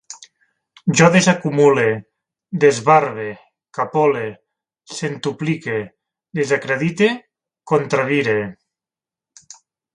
Jo desacumule, desbarbe, capole, centuplique, desacredite, contravire